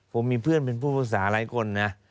ผมมีเพื่อนเป็นผู้ปรึกษาหลายคนนะ